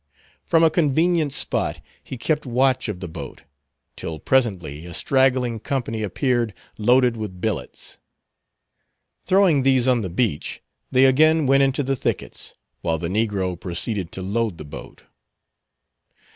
From a convenient spot he kept watch of the boat, till presently a straggling company appeared loaded with billets. Throwing these on the beach, they again went into the thickets, while the negro proceeded to load the boat.